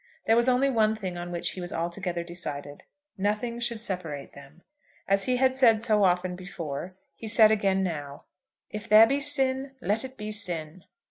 There was only one thing on which he was altogether decided; nothing should separate them. As he had said so often before, he said again now, "If there be sin, let it be sin."